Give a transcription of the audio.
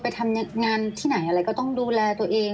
ไปทำงานที่ไหนอะไรก็ต้องดูแลตัวเอง